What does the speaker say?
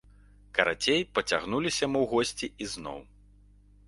Карацей, пацягнуліся мы у госці ізноў.